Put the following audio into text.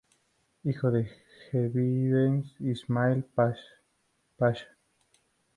Hijo del jedive Ismail Pasha.